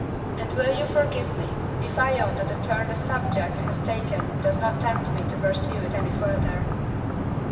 And will you forgive me, if I own that the turn the subject has taken does not tempt me to pursue it any further?"